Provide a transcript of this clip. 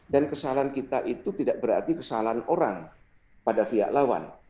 dan kesalahan kita itu tidak berarti kesalahan orang pada pihak lawan